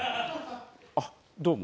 あっどうも。